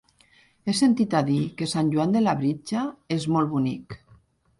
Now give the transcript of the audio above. He sentit a dir que Sant Joan de Labritja és molt bonic.